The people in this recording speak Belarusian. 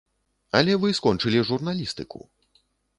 Але вы скончылі журналістыку.